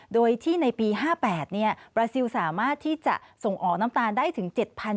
โดยที่ในปี๕๘บราซิลสามารถที่จะส่งออกน้ำตาลได้ถึง๗๐๐